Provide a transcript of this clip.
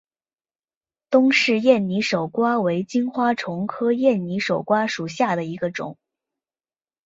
东氏艳拟守瓜为金花虫科艳拟守瓜属下的一个种。